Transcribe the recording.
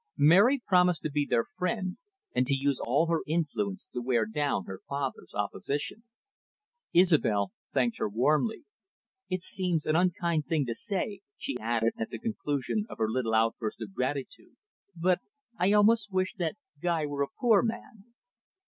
Mary promised to be their friend, and to use all her influence to wear down her father's opposition. Isobel thanked her warmly. "It seems an unkind thing to say," she added, at the conclusion of her little outburst of gratitude. "But I almost wish that Guy were a poor man."